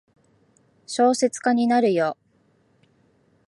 小説家になるよ。